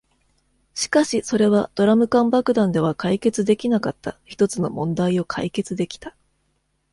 しかし、それはドラム缶爆弾では解決できなかったひとつの問題を解決できた。